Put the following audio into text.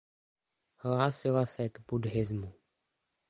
Hlásila se k buddhismu.